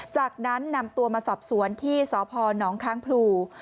จากนั้นนำตัวมาสอบสวนที่สพนค้างพลู